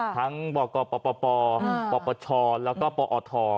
ทั้งบกปปปปชแล้วก็ปอท